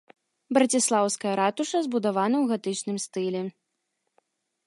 Браціслаўская ратуша збудавана ў гатычным стылі.